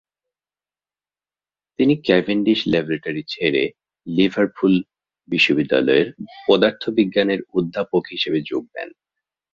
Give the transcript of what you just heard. তিনি Cavendish laboratory ছেড়ে Liverpool বিশ্ববিদ্যালয়ের পদার্থবিজ্ঞানের অধ্যাপক হিসেবে যোগ দেন।